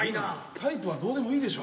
タイプはどうでもいいでしょ。